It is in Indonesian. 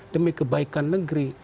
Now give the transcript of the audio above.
demi kebaikan negeri